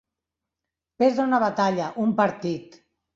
Perdre una batalla, un partit.